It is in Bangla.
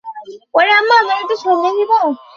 হিন্দুজাতির বৃহত্তম অংশ শ্রীকৃষ্ণের অনুবর্তী।